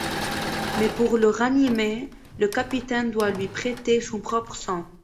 Mais pour le ranimer, le capitaine doit lui prêter son propre sang.